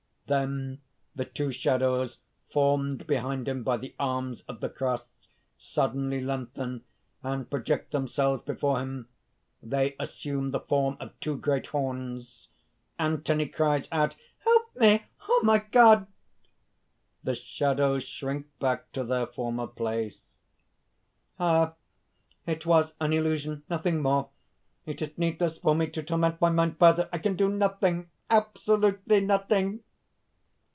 (_Then the two shadows formed behind him by the arms of the cross, suddenly lengthen and project themselves before him. They assume the form of two great horns. Anthony cries out_: ) "Help me! O my God!" [Illustration: Saint Anthony: Help me, O my God!] (The shadows shrink back to their former place.) "Ah!... it was an illusion ... nothing more. It is needless for me to torment my mind further! I can do nothing! absolutely nothing."